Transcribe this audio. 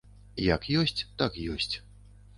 Як ёсць так ёсць.